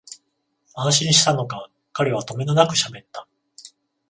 安心したのか、彼はとめどなくしゃべった